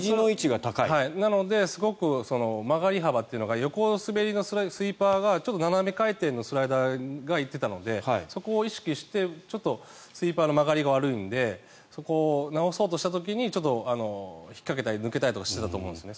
なので曲がり幅というのが横滑りのスイーパーが斜め回転のスライダーが行っていたのでそこを意識してちょっとスイーパーの曲がりが悪いのでそこを直そうとした時にちょっと引っかけたり抜けたりしてたと思うんですね。